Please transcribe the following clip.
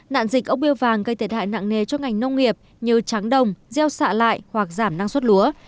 nạn dịch ốc biêu vàng gây thiệt hại nặng nề cho ngành nông nghiệp như trắng đồng gieo xạ lại hoặc giảm năng suất lúa